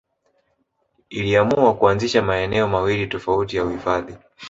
Iliamua kuanzisha maeneo mawili tofauti ya uhifadhi